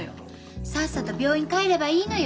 さっさと病院帰ればいいのよ。